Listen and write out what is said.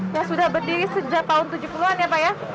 yang sudah berdiri sejak tahun tujuh puluh an ya pak ya